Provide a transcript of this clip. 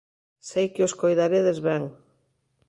Sei que os coidaredes ben.